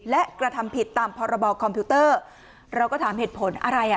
และกระทำผิดตามพรบคอมพิวเตอร์เราก็ถามเหตุผลอะไรอ่ะ